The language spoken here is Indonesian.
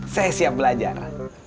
saya siap belajar